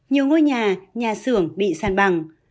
nhiều ngôi nhà nhà xưởng bị sàn bằng